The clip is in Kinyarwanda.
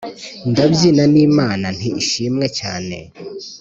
ndabyina n’ imana, ntishimwe cyane